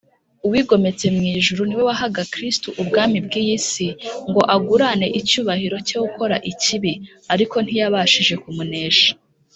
” Uwigometse mu ijuru niwe wahaga Kristo ubwami bw’iyi si, ngo agurane icyubahiro cye gukora ikibi; ariko ntiyabashije kumunesha